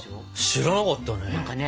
知らなかったね。